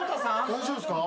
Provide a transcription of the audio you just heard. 大丈夫っすか？